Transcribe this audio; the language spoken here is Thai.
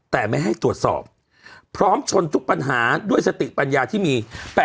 แต่ไม่ให้ตรวจสอบพร้อมชนทุกปัญหาด้วยสติปัญญาที่มี